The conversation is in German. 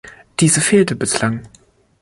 Diese fehlte bislang.